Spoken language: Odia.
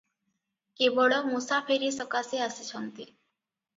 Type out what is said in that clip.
କେବଳ ମୂସାଫେରି ସକାଶେ ଆସିଛନ୍ତି ।